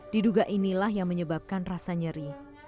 diduga inilah yang menyebabkan rasa nyeri